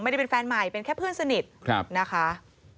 ไม่ได้เป็นแฟนใหม่เป็นแค่เพื่อนสนิทนะคะ